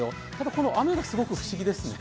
この雨がすごく不思議ですね。